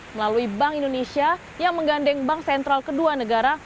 melalui bank indonesia yang menggandeng bank sentral kedua negara